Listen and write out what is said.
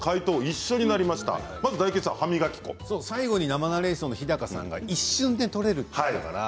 最後ナレーションの日高さんが一瞬で取れると言っていたから。